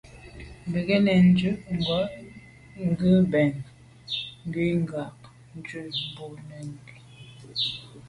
Bin ke’ lèn ndù ngwa ke mbèn ngù kà jujù mbwô nejù ké.